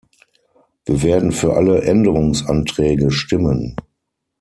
Wir werden für alle Änderungsanträge stimmen.